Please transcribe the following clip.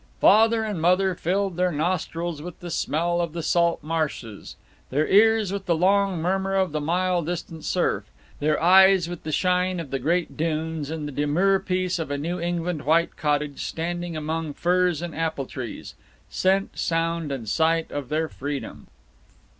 Father and Mother filled their nostrils with the smell of the salt marshes, their ears with the long murmur of the mile distant surf, their eyes with the shine of the great dunes and the demure peace of a New England white cottage standing among firs and apple trees scent and sound and sight of their freedom.